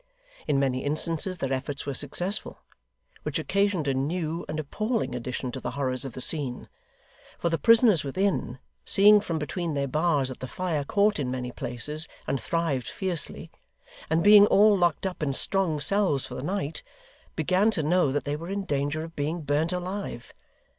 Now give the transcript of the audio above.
In many instances their efforts were successful; which occasioned a new and appalling addition to the horrors of the scene: for the prisoners within, seeing from between their bars that the fire caught in many places and thrived fiercely, and being all locked up in strong cells for the night, began to know that they were in danger of being burnt alive.